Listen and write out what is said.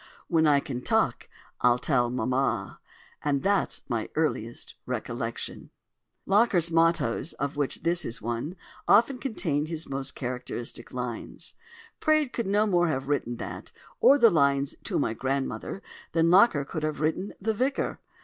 When I can talk I'll tell Mamma.' —And that's my earliest recollection." (Locker's "mottoes," of which this is one, often contain his most characteristic lines.) Praed could no more have written that, or the lines "To my Grandmother," than Locker could have written "The Vicar."